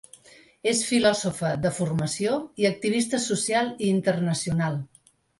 És filòsofa de formació i activista social i internacional.